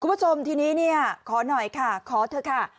คุณผู้ชมทีนี้ขอหน่อยค่ะขอเธอค่ะ